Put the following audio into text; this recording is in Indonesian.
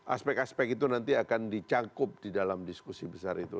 aspek aspek itu nanti akan dicangkup di dalam diskusi besar itu